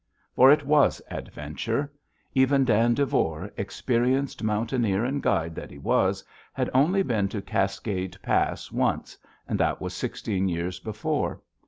For it was adventure. Even Dan Devore, experienced mountaineer and guide that he was, had only been to Cascade Pass once, and that was sixteen years before.